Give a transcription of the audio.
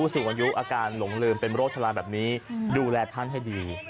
เฉยอย่างทำโรคชาลาแบบนี้ดูแลท่านให้ดี